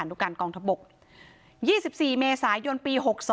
นุการกองทบก๒๔เมษายนปี๖๒